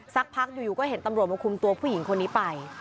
สักพักอยู่ก็เห็นตำรวจมาคุมตัวผู้หญิงคนนี้ไป